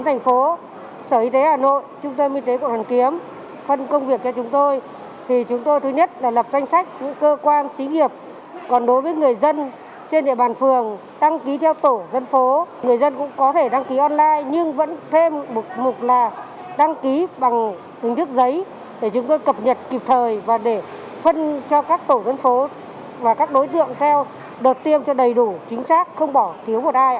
đăng ký bằng hình thức giấy để chúng tôi cập nhật kịp thời và để phân cho các tổ dân phố và các đối tượng theo đợt tiêm cho đầy đủ chính xác không bỏ thiếu một ai